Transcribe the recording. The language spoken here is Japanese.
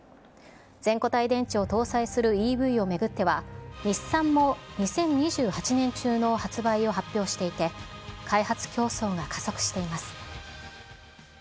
全固体電池を搭載するＥＶを巡っては、日産も２０２８年中の発売を発表していて、開発競争が加速しています。